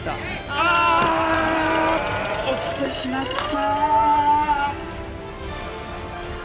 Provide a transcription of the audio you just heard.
あ落ちてしまった。